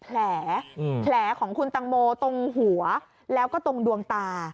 แผลแผลของคุณตังโมตรงหัวแล้วก็ตรงดวงตา